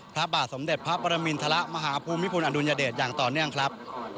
พระบาทสมเด็จพระปรมินทรมาฮภูมิพลอดุลยเดชอย่างต่อเนื่องครับ